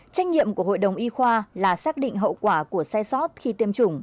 trách nhiệm của hội đồng y khoa là xác định hậu quả của sai sót khi tiêm chủng